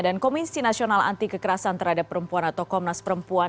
dan komisi nasional anti kekerasan terhadap perempuan atau komnas perempuan